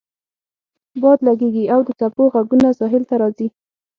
باد لګیږي او د څپو غږونه ساحل ته راځي